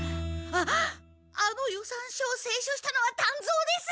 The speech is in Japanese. あっあの予算書を清書したのは団蔵です！